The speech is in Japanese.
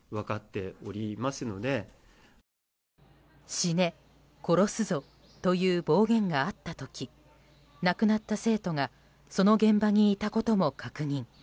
死ね、殺すぞという暴言があった時亡くなった生徒がその現場にいたことも確認。